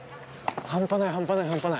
半端ない半端ない半端ない。